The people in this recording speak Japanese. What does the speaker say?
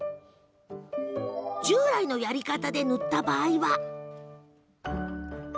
従来のやり方で塗った場合は。